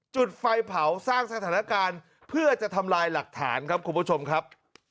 จุดไฟเผาสร้างสถานการณ์เพื่อจะทำลายหลักฐานครับคุณผู้ชมครับ